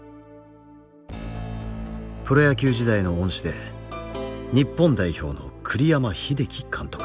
プロ野球時代の恩師で日本代表の栗山英樹監督。